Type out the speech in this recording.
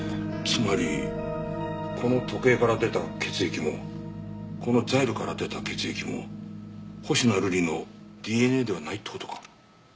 つまりこの時計から出た血液もこのザイルから出た血液も星名瑠璃のＤＮＡではないって事か？